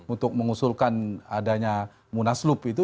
untuk mengusulkan adanya munaslup itu